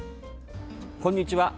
こんにちは。